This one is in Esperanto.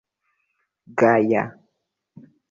gaja